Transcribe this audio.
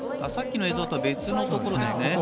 さっきの映像とは別のところですね。